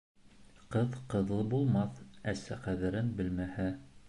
Ҡыҙ ҡыҙлы булмаҫ, әсә ҡәҙерен белмәһә